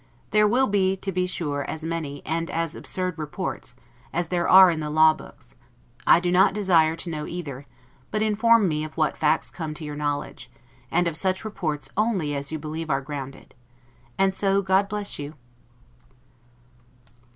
There will be, to be sure, as many, and as absurd reports, as there are in the law books; I do not desire to know either; but inform me of what facts come to your knowledge, and of such reports only as you believe are grounded. And so God bless you!